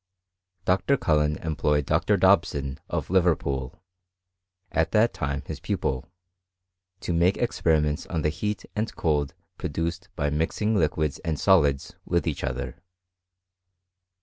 Dr. Cullen employed Dr. Dobson of Liverpool, at that time his pupil, to make experi ments on the heat and cold produced by mixing liquids and solids with each other.